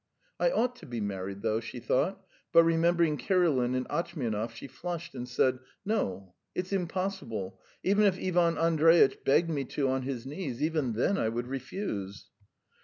"I ought to be married though," she thought, but remembering Kirilin and Atchmianov she flushed and said: "No, it's impossible. Even if Ivan Andreitch begged me to on his knees even then I would refuse."